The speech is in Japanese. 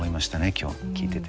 今日聞いてて。